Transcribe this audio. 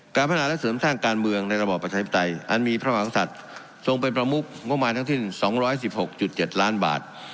การพัฒนาและเสริมสร้างการเมืองในระบอบประชาธิปไตยอันมีพระมหากษัตริย์ทรงเป็นประมุกงบมารทั้งสิ้น๒๑๖๗ล้านบาท